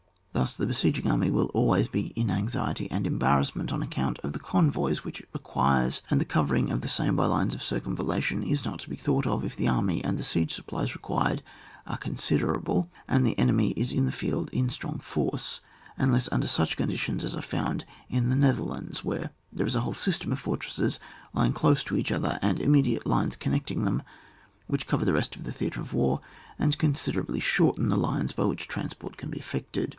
Thus the besieging army wiU be always in anxiety and em barrassment on account of the convoys which it requires, and the covering the same by lines of circumvallation, is not to be thought of if the army and the siege supplies required are considerable, and the enemy is in the field in strong force, unless under such conditions as are found in the Netherlands, where there is a whole system of fortresses lying close to each other, and intermediate lines con necting them, which cover the rest of the theatre of war, and considerably shorten the lines by which transport can be affected.